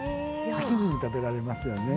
飽きずに食べられますよね。